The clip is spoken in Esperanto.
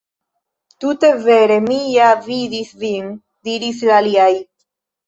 "Tute vere, ni ja vidis vin," diris la aliaj.